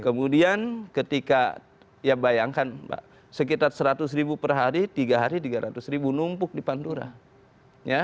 kemudian ketika ya bayangkan mbak sekitar seratus ribu per hari tiga hari tiga ratus ribu numpuk di pantura